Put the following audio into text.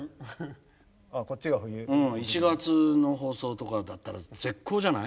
１月の放送とかだったら絶好じゃない？